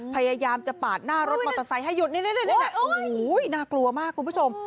พยายามจะปาดหน้ารถมอเตอร์ไซค์ให้หยุดนี่โอ้โหน่ากลัวมากคุณผู้ชม